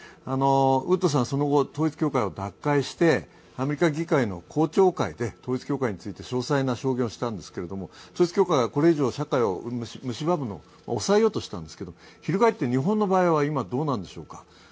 ウッドさんはその後、統一教会を脱退して、アメリカ議会の公聴会で統一教会について詳細な証言をしたんですけれども統一教会がこれ以上社会をむしばむのを抑えようとしたんですが、翻って日本の場合は今どうなんでしょうか。